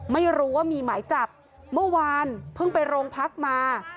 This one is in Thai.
ไม่รู้ว่ามีหมายจับเมื่อวานเพิ่งไปโรงพักมา